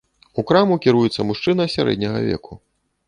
У краму кіруецца мужчына сярэдняга веку.